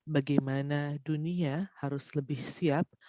bagaimana dunia harus lebih siap